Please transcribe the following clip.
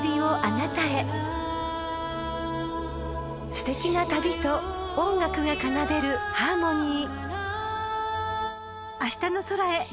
［すてきな旅と音楽が奏でるハーモニー］